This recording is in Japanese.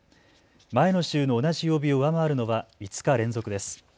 前の週の同じ曜日を上回るのは５日連続です。